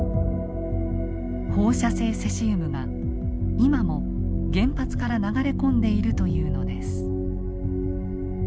放射性セシウムが今も原発から流れ込んでいるというのです。